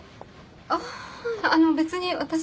ああの別に私は。